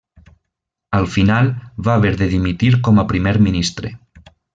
Al final va haver de dimitir com a primer ministre.